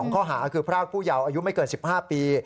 ข้อหาคือพรากผู้เยาว์อายุไม่เกิน๑๕ปี